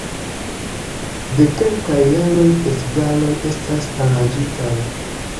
De kelkaj jaroj festivaloj estas aranĝitaj.